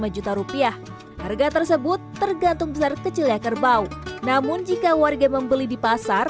lima juta rupiah harga tersebut tergantung besar kecilnya kerbau namun jika warga membeli di pasar